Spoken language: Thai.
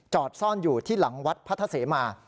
ซ่อนอยู่ที่หลังวัดพระทะเสมา